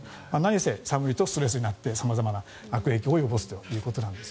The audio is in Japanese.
寒いとストレスになって様々な悪影響を及ぼすということです。